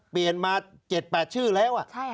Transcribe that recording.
เปลี่ยนมา๗๘ชื่อแล้ว